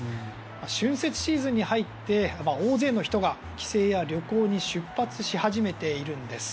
春節シーズンに入って大勢の人が帰省や旅行に出発し始めているんです。